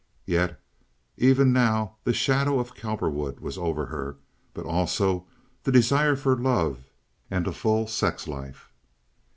Yet even now the shadow of Cowperwood was over her, but also the desire for love and a full sex life.